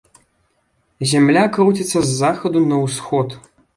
Зямля круціцца з захаду на ўсход.